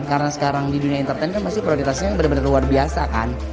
karena sekarang di dunia entertain nor masih prioritasnyail begun detar luar biasa kan